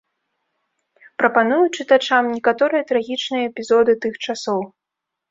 Прапаную чытачам некаторыя трагічныя эпізоды тых часоў.